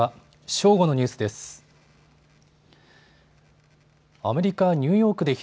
正午のニュースです。